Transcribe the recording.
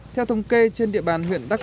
theo thông kê trên địa bàn huyện đắc lây